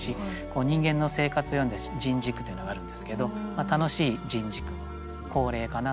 人間の生活を詠んだ「人事句」というのがあるんですけど楽しい人事句の好例かなと思いますね。